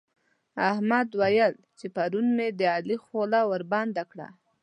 احمد ويل چې پرون مې د علي خوله وربنده کړه.